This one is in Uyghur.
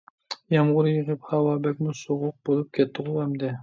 يامغۇر يېغىپ ھاۋا بەكمۇ سوغۇق بولۇپ كەتتىغۇ ئەمدى.